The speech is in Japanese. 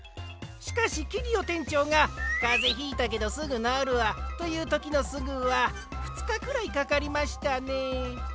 しかしキュリオてんちょうが「かぜひいたけどすぐなおるわ」というときの「すぐ」はふつかくらいかかりましたね。